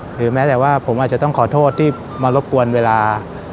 แม้แต่ว่าผมอาจจะต้องขอโทษที่มารบกวนเวลา